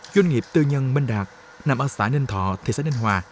doanh nghiệp tư nhân minh đạt nằm ở xã ninh thọ thị xã ninh hòa